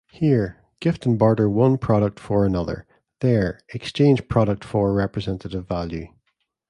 Here, gift and barter-one product for another; there, exchange-product for representative value.